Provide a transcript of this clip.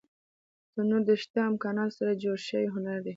تنور د شته امکاناتو سره جوړ شوی هنر دی